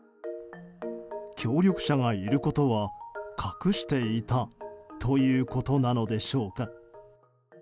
協力者がいることは隠していたということなのでしょうか。